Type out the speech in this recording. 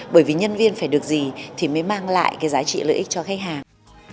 bởi vì nhân viên phải được gì thì mới mang lại cái giá trị lợi ích cho khách hàng